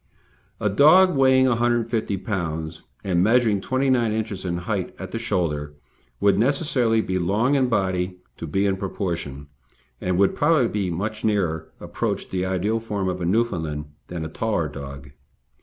A dog weighing 150 lbs. and measuring 29 inches in height at the shoulder would necessarily be long in body to be in proportion, and would probably much nearer approach the ideal form of a Newfoundland than a taller dog.